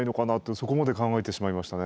そこまで考えてしまいましたね。